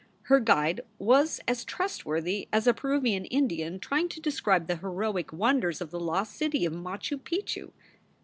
Her guide was as trustworthy as a Peruvian Indian trying to describe the heroic wonders of the lost city of Machu Picchu.